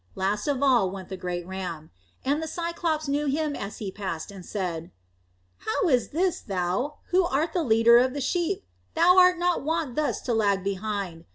Last of all went the great ram. And the Cyclops knew him as he passed and said: "How is this, thou, who art the leader of the flock? Thou art not wont thus to lag behind.